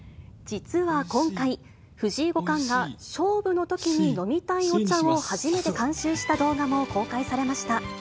実は今回、藤井五冠が勝負のときに飲みたいお茶を初めて監修した動画も公開されました。